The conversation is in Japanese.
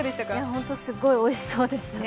本当、すごいおいしそうでした。